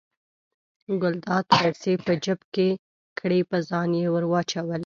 ګلداد پیسې په جب کې کړې په ځان یې ور واچولې.